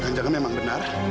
jangan jangan memang benar